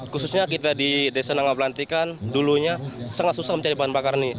khususnya kita di desa nanggap lantikan dulunya sangat susah mencari peran bakar ini